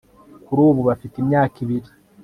kuri ubu bafite imyaka ibiri